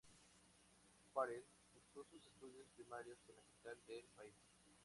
Farell cursó sus estudios primarios en la capital del país.